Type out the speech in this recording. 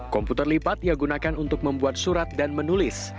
komputer lipat ia gunakan untuk membuat surat dan menulis